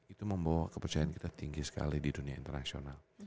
itu membawa kepercayaan kita tinggi sekali di dunia internasional